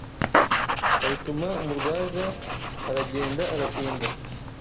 bayituma umurwaza aragenda aratinda,